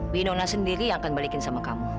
winona sendiri yang akan balikin sama kamu